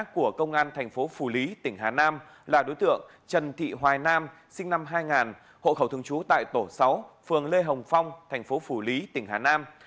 của công an thành phố phủ lý tỉnh hà nam là đối tượng trần thị hoài nam sinh năm hai nghìn hộ khẩu thường trú tại tổ sáu phường lê hồng phong thành phố phủ lý tỉnh hà nam